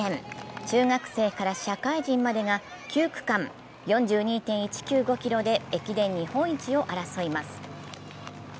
中学生から社会人までが９区間４２．１９５ｋｍで駅伝日本一を争います。